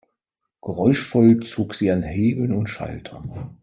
Geräuschvoll zog sie an Hebeln und Schaltern.